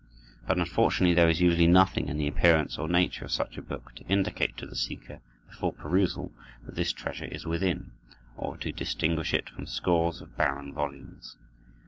But unfortunately, there is usually nothing in the appearance or nature of such a book to indicate to the seeker before perusal that this treasure is within, or to distinguish it from scores of barren volumes.